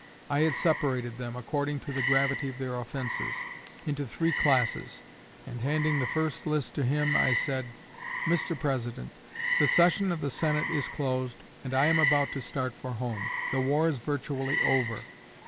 I had separated them, according to the gravity of their offenses, into three classes; and handing the first list to him, I said, 'Mr. President, the session of the Senate is closed, and I am about to start for home. The war is virtually over.